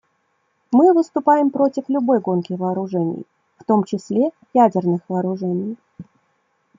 Мы выступаем против любой гонки вооружений, в том числе ядерных вооружений.